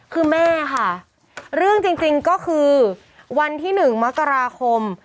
คือแม่ค่ะเรื่องจริงก็คือวันที่๑มกราคม